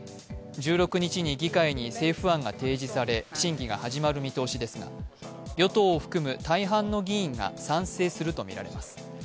１６日に議会に政府案が提出され審議が始まる見通しですが与党を含む大半の議員が賛成するとみられます。